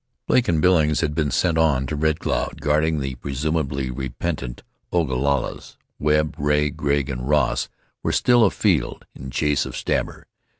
Blake and Billings had been sent on to Red Cloud, guarding the presumably repentant Ogalallas. Webb, Ray, Gregg and Ross were still afield, in chase of Stabber.